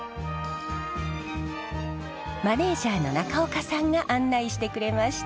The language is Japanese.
マネージャーの中岡さんが案内してくれました。